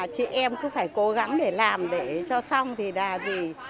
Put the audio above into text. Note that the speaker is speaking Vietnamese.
chị em cứ phải cố gắng để làm để cho xong thì là gì